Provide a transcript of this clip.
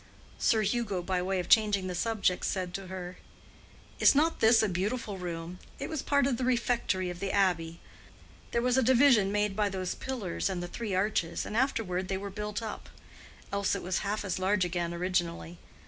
Sir Hugo, by way of changing the subject, said to her, "Is not this a beautiful room? It was part of the refectory of the Abbey. There was a division made by those pillars and the three arches, and afterward they were built up. Else it was half as large again originally.